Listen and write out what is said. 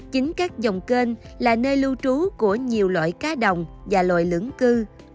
chính các dòng kênh là nơi lưu trú của nhiều loại cá đồng và loại lưỡng cư